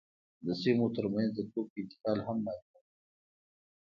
د سیمو ترمنځ د توکو انتقال هم مالیه درلوده.